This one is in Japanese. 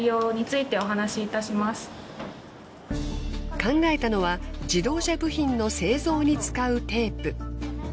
考えたのは自動車部品の製造に使うテープ。